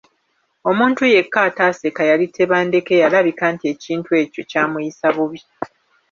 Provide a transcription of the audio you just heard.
Omuntu yekka ataaseka yali Tebandeke eyalabika nti ekintu ekyo ky’amuyisa bubi.